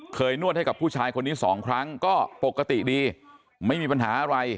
นวดให้กับผู้ชายคนนี้สองครั้งก็ปกติดีไม่มีปัญหาอะไร